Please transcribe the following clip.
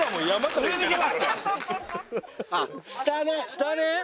下ね！